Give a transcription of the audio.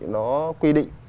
nó quy định